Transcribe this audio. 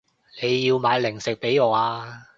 你要買零食畀我啊